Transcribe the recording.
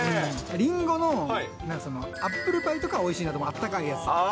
リンゴのアップルパイとかはおいしいなと思う、あったかいやつ